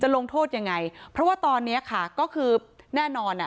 ลงโทษยังไงเพราะว่าตอนเนี้ยค่ะก็คือแน่นอนอ่ะ